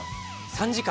３時間。